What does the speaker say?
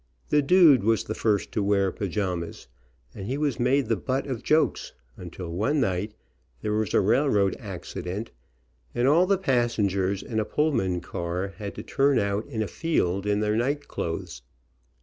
The dude was first to wear pajamas, and 7 8 THE DUDE AND HIS PAJAMAS he was made the butt of jokes, until one night there was a railroad accident, and all the passengers in a Pullman car had to turn out in a field in their night clothes.